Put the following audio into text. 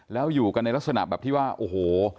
แล้วอยู่กันในลักษณะแบบที่ว่าโอ้โห